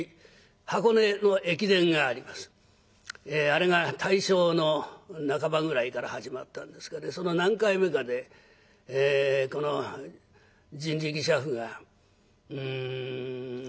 あれが大正の半ばぐらいから始まったんですがその何回目かでこの人力車夫が出たことがあるそうです。